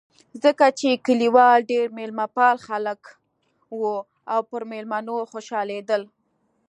ځکه چې کلیوال ډېر مېلمه پال خلک و او پر مېلمنو خوشحالېدل.